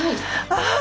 ああ！